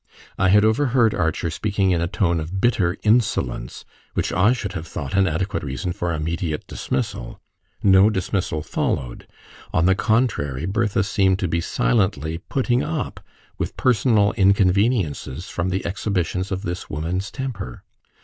I had overheard Archer speaking in a tone of bitter insolence, which I should have thought an adequate reason for immediate dismissal. No dismissal followed; on the contrary, Bertha seemed to be silently putting up with personal inconveniences from the exhibitions of this woman's temper.